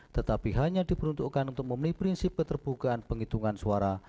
tetapi hanya diperuntukkan untuk memenuhi prinsip keterbukaan penghitungan suara